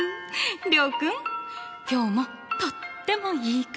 諒君今日もとってもいい感じ！